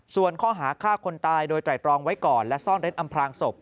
ส่วนข้อหาฆ่าคนตายโดยไตรตรองไว้ก่อนและซ่อนเร้นอำพลางศพ